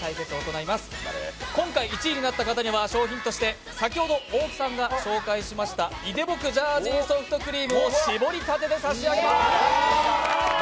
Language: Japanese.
今回１位になった方には賞品として、先ほど大木さんが紹介しましたいでぼくジャージーソフトクリームを搾りたてで差し上げます。